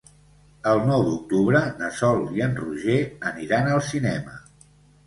El nou d'octubre na Sol i en Roger aniran al cinema.